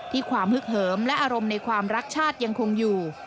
ความฮึกเหิมและอารมณ์ในความรักชาติยังคงอยู่